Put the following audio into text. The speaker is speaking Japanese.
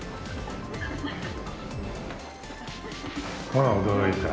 ほら驚いた。